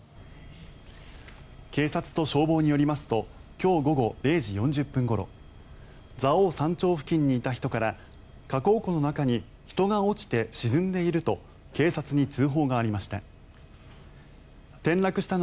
警察と消防によりますと今日午後０時４０分ごろ蔵王山頂付近にいた人から火口湖の中に人が落ちて沈んでいると警察に通報がありました。